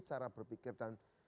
cara berpikir dan